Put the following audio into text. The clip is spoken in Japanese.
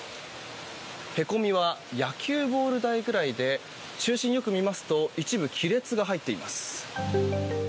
へこみは野球ボール大くらいで中心、よく見ますと一部亀裂が入っています。